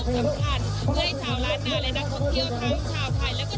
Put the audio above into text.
อ๋อทำไมถึงเลือกมาเที่ยวที่เมยาท์ล่ะค่ะ